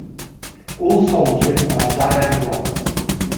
All songs written by Diane Warren.